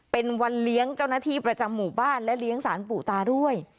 เป็นวันเลี้ยงเจ้าหน้าที่ประจำหมู่บ้านและเลี้ยงสารปู่ตาด้วย